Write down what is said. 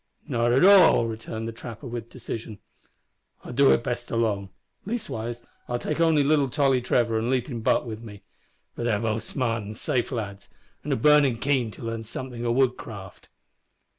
"Not at all," returned the trapper, with decision. "I'll do it best alone; leastwise I'll take only little Tolly Trevor an' Leapin' Buck with me, for they're both smart an' safe lads, and are burnin' keen to learn somethin' o' woodcraft."